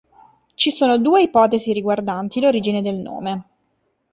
Ci sono due ipotesi riguardanti l'origine del nome.